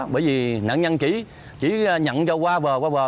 bởi vì nạn nhân chỉ nhận cho qua vờ qua vờ